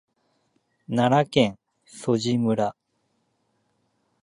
奈良県曽爾村